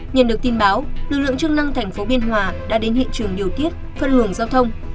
nhận được tin báo lực lượng chức năng thành phố biên hòa đã đến hiện trường điều tiết phân luồng giao thông